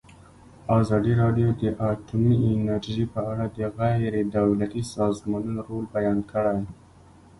ازادي راډیو د اټومي انرژي په اړه د غیر دولتي سازمانونو رول بیان کړی.